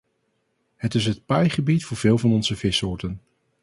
Het is het paaigebied voor veel van onze vissoorten.